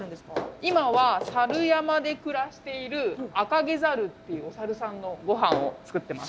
今はサル山で暮らしているアカゲザルっていうおサルさんのごはんを作ってます。